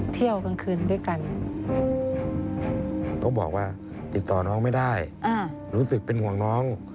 ติดต่อน้องไม่ได้รู้สึกเป็นห่วงน้อง